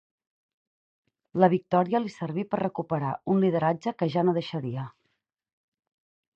La victòria li serví per recuperar un lideratge que ja no deixaria.